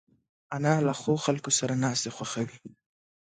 انا له ښو خلکو سره ناستې خوښوي